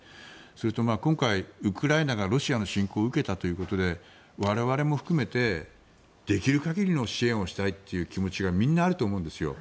それと、今回ウクライナがロシアの侵攻を受けたということで我々も含めてできる限りの支援をしたいという気持ちがみんなあると思うんですよ。